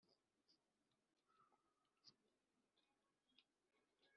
dore ubu ukimara kuvuka wahawe izina,